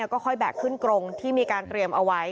ก็ค่อยแบกขึ้นกรงที่มีการเตรียมเอาไว้